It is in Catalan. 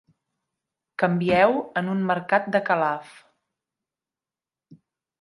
Canvieu en un mercat de Calaf.